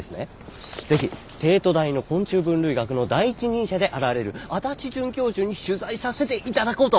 是非帝都大の昆虫分類学の第一人者であられる足立准教授に取材させていただこうと！